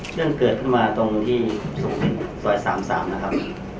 เรื่องเกิดขึ้นมาตรงที่ส่วนสวยสามสามนะครับ